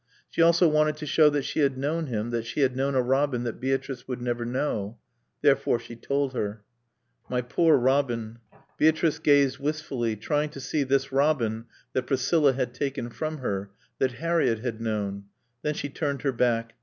She also wanted to show that she had known him, that she had known a Robin that Beatrice would never know. Therefore she told her. "My poor Robin." Beatrice gazed wistfully, trying to see this Robin that Priscilla had taken from her, that Harriett had known. Then she turned her back.